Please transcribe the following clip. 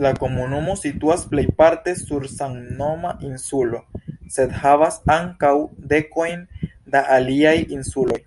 La komunumo situas plejparte sur samnoma insulo, sed havas ankaŭ dekojn da aliaj insuloj.